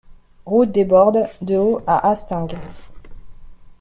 Route des Bordes de Haut à Hastingues